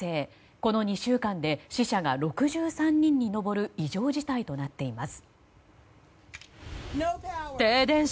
この２週間で死者が６３人に上る異常事態となっています。